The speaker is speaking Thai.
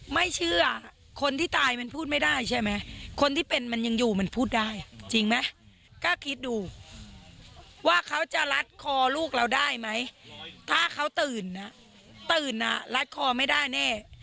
ไม่เชื่อคนที่ตายมันพูดไม่ได้ใช่ไหมคนที่เป็นมันยังอยู่มันพูดได้จริงไหมก็คิดดูว่าเขาจะรัดคอลูกเราได้ไหมถ้าเขาตื่นนะตื่นอ่ะรัดคอไม่ได้แน่